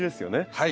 はい。